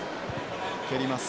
蹴ります。